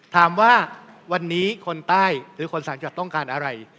ถามว่าวันนี้คนใต้หรือคนสามจังหวัดต้องการอะไร